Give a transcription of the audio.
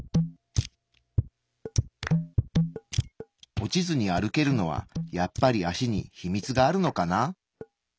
落ちずに歩けるのはやっぱり足に秘密があるのかな？